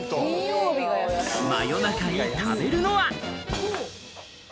夜中に食べるのは？